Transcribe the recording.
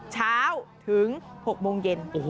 เช้าถึง๖โมงเย็น